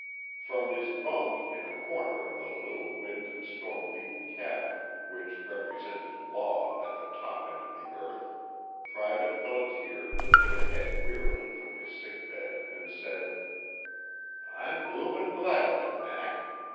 From his bunk in a corner of the little wind and storm beaten cabin which represented Law at the top end of the earth Private Pelliter lifted a head wearily from his sick bed and said: "I'm bloomin' glad of it, Mac.